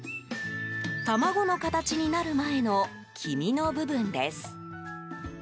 卵の形になる前の黄身の部分です。